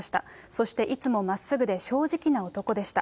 そしていつもまっすぐで正直な男でした。